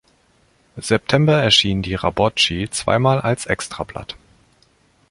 September erschien die "Rabotschi" zweimal als Extrablatt.